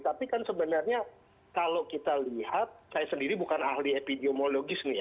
tapi kan sebenarnya kalau kita lihat saya sendiri bukan ahli epidemiologis nih ya